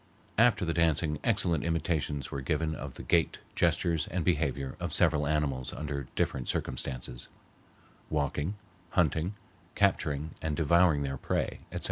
After the dancing excellent imitations were given of the gait, gestures, and behavior of several animals under different circumstances—walking, hunting, capturing, and devouring their prey, etc.